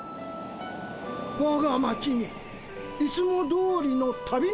「わが町にいつもどおりの旅の風」。